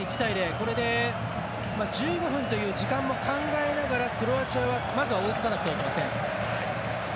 これで１５分という時間も考えながら、クロアチアはまずは追いつかなくてはいけません。